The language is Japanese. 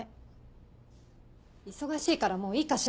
忙しいからもういいかしら。